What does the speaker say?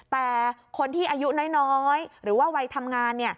แต่คนที่อายุน้อยหรือว่าวัยทำงาน